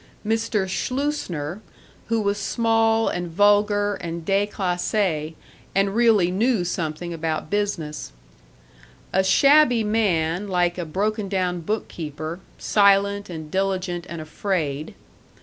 Mr. Schleusner, who was small and vulgar and déclassé and really knew something about business. A shabby man like a broken down bookkeeper, silent and diligent and afraid.